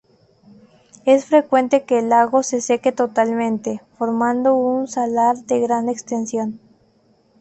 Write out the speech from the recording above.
Es frecuente que el lago se seque totalmente, formando un salar de gran extensión.